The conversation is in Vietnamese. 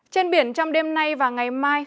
trên biển trong đêm nay và ngày mai